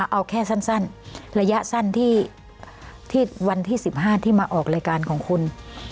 เอาแค่สั้นระยะสั้นที่วันที่๑๕ที่มาออกรายการของคุณ